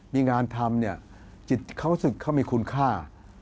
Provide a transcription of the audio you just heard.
มีงานทำเนี่ยจิตเขารู้สึกเขามีคุณค่า